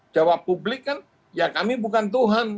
jawab publik kan ya kami bukan tuhan